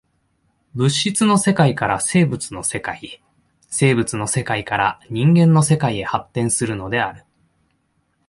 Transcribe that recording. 物質の世界から生物の世界へ、生物の世界から人間の世界へ発展するのである。